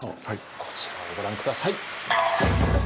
こちらをご覧下さい。